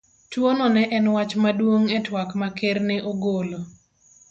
Tuwono ne en wach maduong ' e twak ma Ker ne ogolo